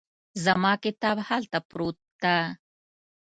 زما کتاب هلته پروت ده